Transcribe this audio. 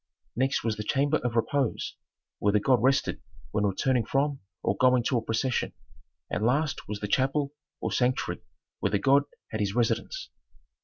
Next was the chamber of "repose," where the god rested when returning from or going to a procession, and last was the chapel or sanctuary where the god had his residence.